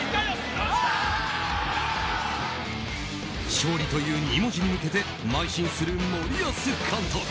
勝利という２文字に向けてまい進する森保監督。